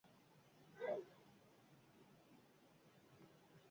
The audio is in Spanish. La etapa de mayor esplendor coincide con el comienzo de este siglo.